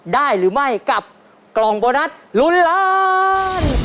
ได้หรือไม่กับกล่องโบนัสลุ้นล้าน